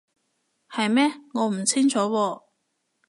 係咩？我唔清楚喎